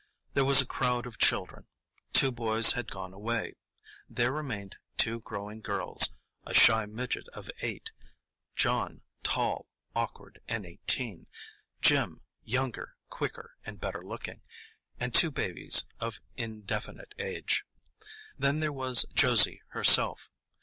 There was a crowd of children. Two boys had gone away. There remained two growing girls; a shy midget of eight; John, tall, awkward, and eighteen; Jim, younger, quicker, and better looking; and two babies of indefinite age. Then there was Josie herself.